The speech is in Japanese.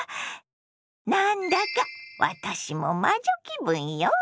何だか私も魔女気分よ！